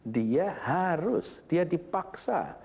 dia harus dia dipaksa